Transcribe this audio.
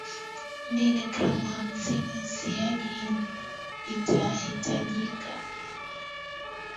mbili gram hamsini siagi itahitajika